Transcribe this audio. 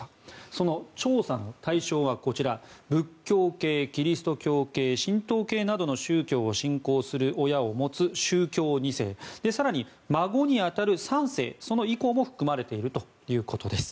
その調査の対象は仏教系、キリスト教系神道系などの宗教を信仰する親を持つ宗教２世更に孫に当たる３世以降も含まれているということです。